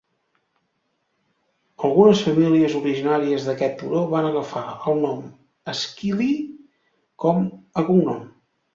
Algunes famílies originàries d'aquest turó van agafar el nom Esquilí com a cognom.